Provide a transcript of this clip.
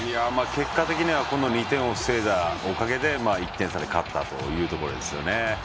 結果的にはこの２点を防いだおかげで１点差で勝ったというところですよね。